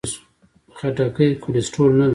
خټکی کولیسټرول نه لري.